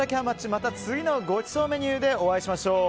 また次のごちそうメニューでお会いしましょう。